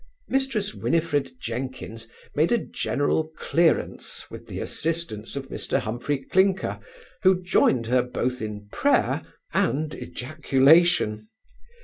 Mrs Winifred Jenkins made a general clearance with the assistance of Mr Humphry Clinker, who joined her both in prayer and ejaculation.